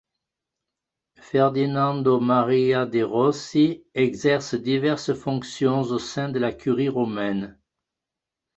Ferdinando Maria de Rossi exerce diverses fonctions au sein de la Curie romaine.